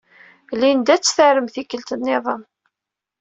Linda ad tarem tikkelt niḍen.